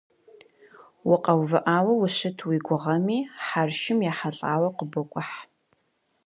Укъэувыӏауэ ущыт уи гугъэми, хьэршым ехьэлӏауэ къыбокӏухь.